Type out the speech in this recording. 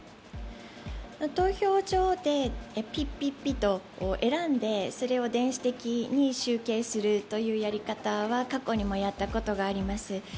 投票所でピッピッピと選んでそれを電子的に集計するというやり方は過去にもやったことがあります。